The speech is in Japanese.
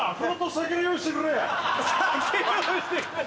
「酒の用意してくれ」！